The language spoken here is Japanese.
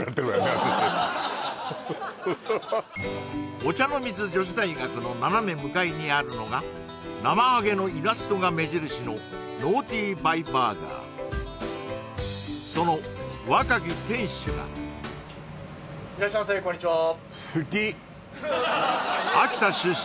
私お茶の水女子大学の斜め向かいにあるのがなまはげのイラストが目印のその若き店主がいらっしゃいませこんにちは